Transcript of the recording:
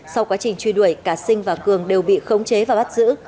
sau quá trình truy đuổi cả sinh và cường đều bị khống chế và bắt giữ